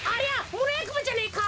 むらやくばじゃねえか？